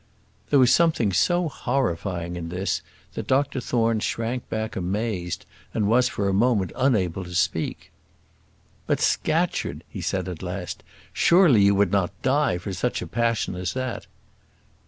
There was something so horrifying in this, that Dr Thorne shrank back amazed, and was for a moment unable to speak. "But, Scatcherd," he said at last; "surely you would not die for such a passion as that?"